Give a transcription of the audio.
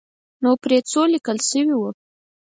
نو پرې ځو لیکل شوي وو.